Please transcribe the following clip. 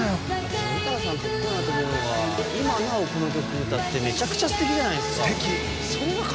森高さん、格好いいのが今なお、この曲を歌ってめちゃくちゃすてきじゃないですか。